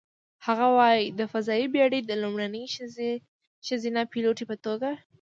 هغه وايي: "د فضايي بېړۍ د لومړنۍ ښځینه پیلوټې په توګه،